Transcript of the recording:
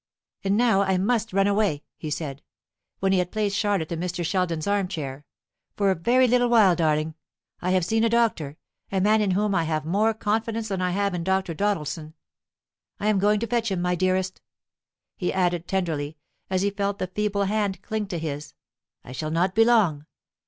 And now I must run away," he said; when he had placed Charlotte in Mr. Sheldon's arm chair, "for a very little while, darling. I have seen a doctor, a man in whom I have more confidence than I have in Dr. Doddleson. I am going to fetch him, my dearest," he added tenderly, as he felt the feeble hand cling to his; "I shall not be long.